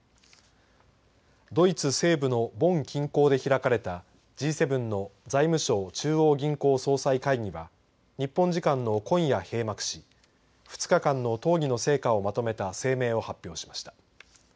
ドイツ西部のボン近郊で開かれたＧ７の財務相・中央銀行総裁会議は日本時間の今夜、閉幕し２日間の討議の成果をまとめた声明を発表しました。